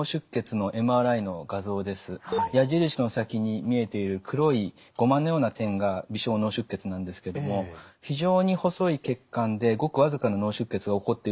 矢印の先に見えている黒いゴマのような点が微小脳出血なんですけども非常に細い血管でごくわずかな脳出血が起こっているということを示しています。